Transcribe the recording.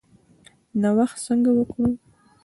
نوښت څنګه وکړو؟